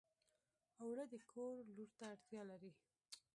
اوړه د کور لور ته اړتیا لري